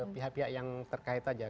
pihak pihak yang terkait saja